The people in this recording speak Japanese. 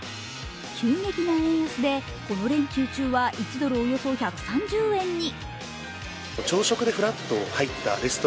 急激な円安でこの連休中は１ドル＝およそ１３０円に。